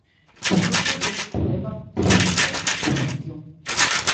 Despois souben que levan tres luvas por precaución.